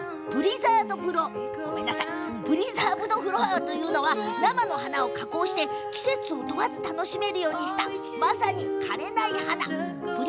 プリザーブドフラワーというのは生の花を加工して季節を問わず楽しめるようにしたまさに枯れない花。